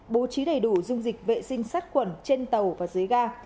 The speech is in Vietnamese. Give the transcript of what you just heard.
bố trí đầy đủ dung dịch vệ sinh sắt quần trên tàu và dưới ga